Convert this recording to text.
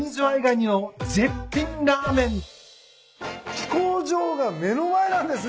飛行場が目の前なんですね